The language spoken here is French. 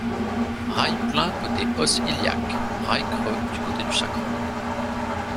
Rail plein côté os iliaque, rail creux du côté du sacrum.